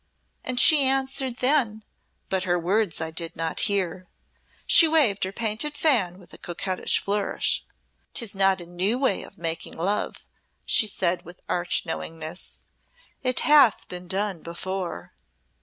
and she answered then, but her words I did not hear." She waved her painted fan with a coquettish flourish. "'Tis not a new way of making love," she said with arch knowingness. "It hath been done before."